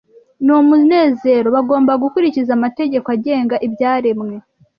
n’umunezero, bagomba gukurikiza amategeko agenga ibyaremwe.